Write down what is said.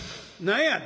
何や。